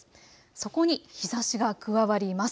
そこに日ざしが加わります。